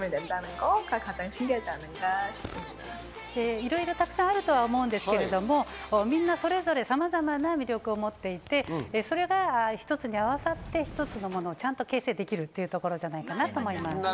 いろいろたくさんあるとは思うんですけれども、いいなそれぞれさまざまな魅力を持っていて、それがひとつに合わさってひとつのものをちゃんと形成できるというところじゃないかなと思います。